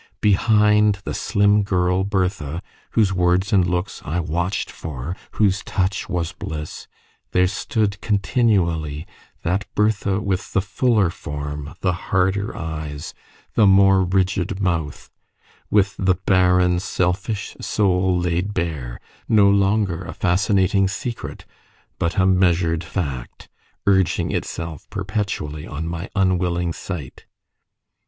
Behind the slim girl Bertha, whose words and looks I watched for, whose touch was bliss, there stood continually that Bertha with the fuller form, the harder eyes, the more rigid mouth with the barren, selfish soul laid bare; no longer a fascinating secret, but a measured fact, urging itself perpetually on my unwilling sight.